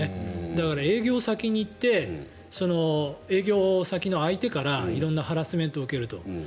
だから、営業先に行ってその営業先の相手から色んなハラスメントを受けると。